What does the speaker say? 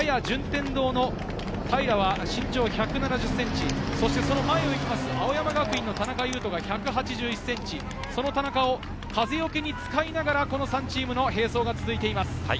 やや順天堂の平は身長１７０ｃｍ、その前を行く青山学院の田中悠登は１８１ｃｍ、田中を風よけに使いながら、３チームの並走が続いています。